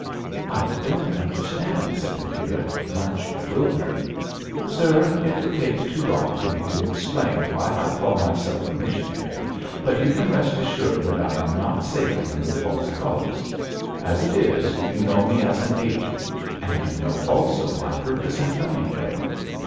'I don't understand,' said the curate, much bewildered. 'Sir, it would take too long for me to explain why I call myself a missionary, but you can rest assured that I am not sailing under false colours. As it is, you know me as an agent; and you know also my purpose in coming here.'